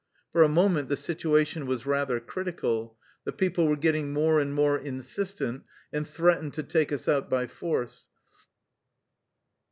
For a moment the situation was rather critical. The people were getting more and more insistent, and threatened to take us out by force.